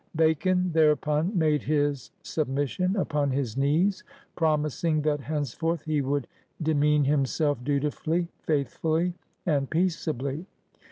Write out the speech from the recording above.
Bacon thereupon made his submission upon his knees, promising that henceforth he would ^Me mean himself dutifully, faithfully, and peaceably.''